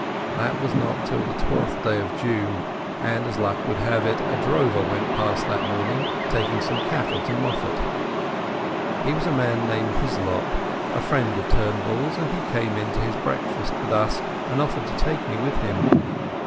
That was not till the twelfth day of June, and as luck would have it a drover went past that morning taking some cattle to Moffat. He was a man named Hislop, a friend of Turnbull's, and he came in to his breakfast with us and offered to take me with him.